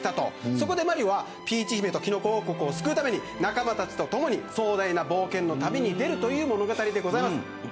そこでマリオはピーチ姫とキノコ王国を救うために仲間たちとともに壮大な冒険の旅に出るという物語です。